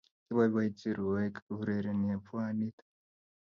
kiboibochi rwoik koureren pwanit.